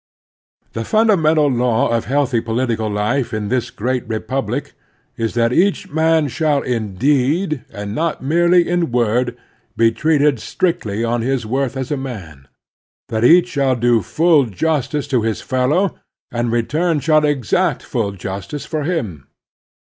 The fundamental law of healthy political life in this great repubUc is that each man shall in deed, and not merely in word, be treated strictly on his worth as a man ; that each shall do ftill justice to his fellow, and in return shall exact ftdl justice from him.